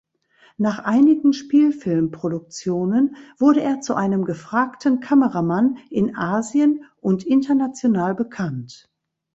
Nach einigen Spielfilmproduktionen wurde er zu einem gefragten Kameramann in Asien und international bekannt.